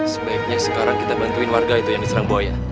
sebaiknya sekarang kita bantuin warga itu yang diserang buaya